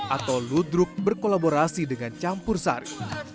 atau ludruk berkolaborasi dengan campur sari